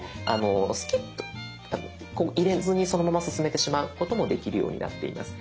こう入れずにそのまま進めてしまうこともできるようになっています。